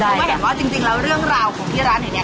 ไม่เห็นว่าจริงแล้วเรื่องราวของที่ร้านนี้